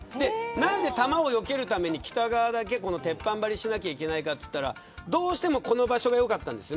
何で弾をよけるために北側だけ鉄板張りしなきゃいけないかといったらどうしてもこの場所が良かったんです。